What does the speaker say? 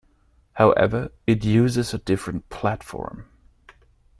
However, it uses a different platform.